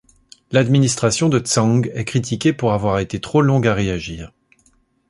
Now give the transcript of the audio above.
L'administration de Tsang est critiquée pour avoir été trop longue à réagir.